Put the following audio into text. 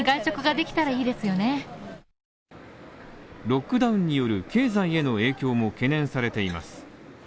ロックダウンによる経済への影響も懸念されています。